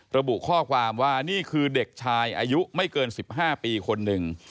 ระบุข้อความว่านี่คือเด็กชายอายุไม่เกิน๑๕ปีคนหนึ่ง